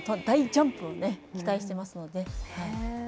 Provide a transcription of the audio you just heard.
大ジャンプを期待していますので。